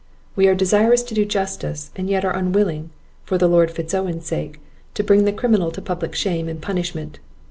We are desirous to do justice; and yet are unwilling, for the Lord Fitz Owen's sake, to bring the criminal to public shame and punishment.